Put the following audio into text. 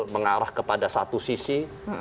mengarah kepada satu sisi